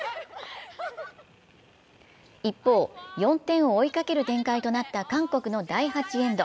一方、４点を追いかける展開となった韓国の第８エンド。